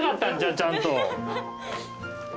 ちゃんと。